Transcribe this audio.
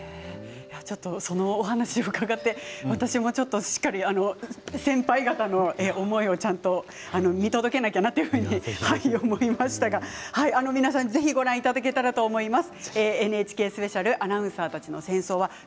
そのお話を伺って私もちょっとしっかり先輩方の思いをちゃんと見届けなきゃなというふうに思いましたが皆さん、ぜひご覧いただけたらと思います。